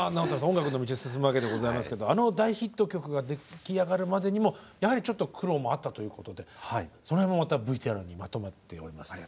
音楽の道に進むわけでございますけどあの大ヒット曲が出来上がるまでにもやはりちょっと苦労もあったということでその辺もまたＶＴＲにまとめてあります。